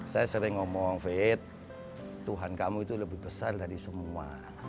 saya sering ngomong fit tuhan kamu itu lebih besar dari semua